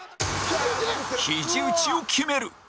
ひじ打ちを決める